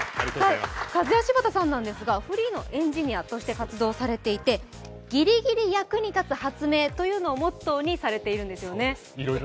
カズヤシバタさんですが、フリーのエンジニアとして活動されていて、ぎりぎり役に立つ発明というのをモットーにされているんですよね。